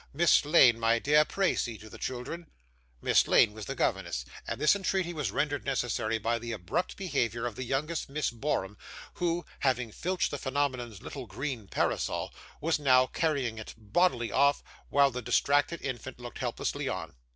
Miss Lane, my dear, pray see to the children.' Miss Lane was the governess, and this entreaty was rendered necessary by the abrupt behaviour of the youngest Miss Borum, who, having filched the phenomenon's little green parasol, was now carrying it bodily off, while the distracted infant looked helplessly on.